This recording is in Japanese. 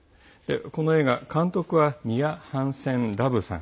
この映画、監督はミア・ハンセン＝ラブさん。